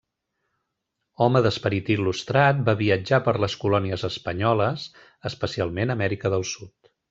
Home d'esperit il·lustrat, va viatjar per les colònies espanyoles, especialment a Amèrica del Sud.